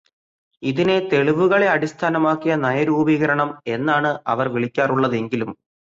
ഇതിനെ തെളിവുകളെ അടിസ്ഥാനമാക്കിയ നയരൂപീകരണം എന്നാണ് അവർ വിളിക്കാറുള്ളതെങ്കിലും